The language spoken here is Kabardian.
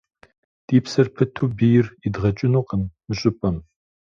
Ди псэр пыту бийр идгъэкӏынукъым мы щӏыпӏэм.